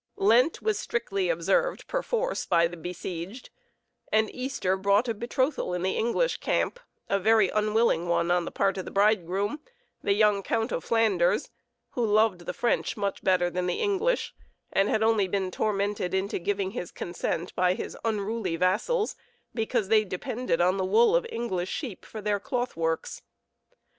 Lent was strictly observed perforce by the besieged, and Easter brought a betrothal in the English camp; a very unwilling one on the part of the bridegroom, the young Count of Flanders, who loved the French much better than the English, and had only been tormented into giving his consent by his unruly vassals because they depended on the wool of English sheep for their cloth works.